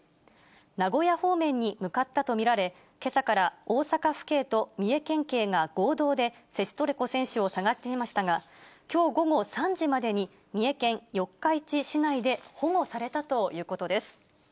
名古屋方面に向かったと見られ、けさから大阪府警と三重県警が合同で、セチトレコ選手を捜していましたが、きょう午後３時までに三重県四日市市内で保護されたということです。